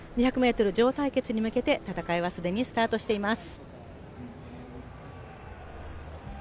２００ｍ、女王対決に向けて戦いは既にスタートしています。